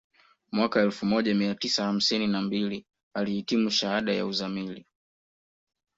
Mwaka elfu moja mia tisa hamsini na mbili alihitimu shahada ya uzamili